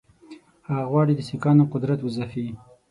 هغه غواړي د سیکهانو قدرت وځپي.